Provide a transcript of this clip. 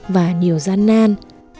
và nhiều gian nan